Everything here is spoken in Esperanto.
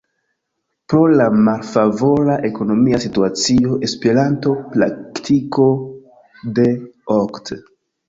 Pro la malfavora ekonomia situacio "Esperanto-Praktiko" de okt.